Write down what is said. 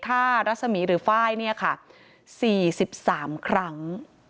ข้ารสมีหรือฝ้ายเนี่ยค่ะ๔๓ครั้ง